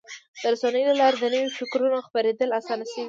د رسنیو له لارې د نوي فکرونو خپرېدل اسانه شوي.